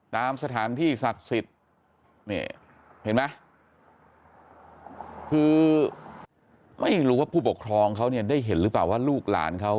ตามสถานที่ศักดิ์สิทธิ์นี่เห็นไหมคือไม่รู้ว่าผู้ปกครองเขาเนี่ยได้เห็นหรือเปล่าว่าลูกหลานเขา